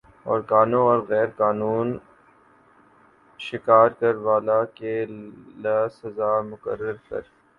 اورقانو اور غیر قانون شکار کر والہ کے ل سزا مقرر کر